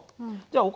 じゃあ私